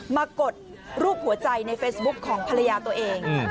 กดรูปหัวใจในเฟซบุ๊คของภรรยาตัวเอง